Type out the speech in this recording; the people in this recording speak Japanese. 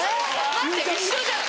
待って一緒じゃん。